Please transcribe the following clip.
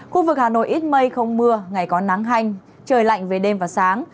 khu vực hà nội ít mây không mưa ngày có nắng hanh trời lạnh về đêm và sáng